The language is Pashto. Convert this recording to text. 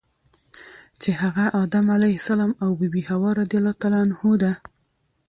چی هغه ادم علیه السلام او بی بی حوا رضی الله عنها ده .